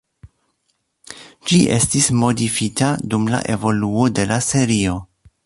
Ĝi estis modifita dum la evoluo de la serio.